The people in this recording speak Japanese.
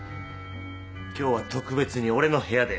今日は特別に俺の部屋で。